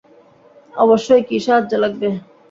অবশ্যই, কী সাহায্য লাগবে?